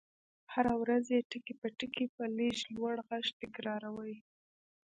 هره ورځ يې ټکي په ټکي په لږ لوړ غږ تکراروئ.